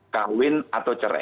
kawin atau cerai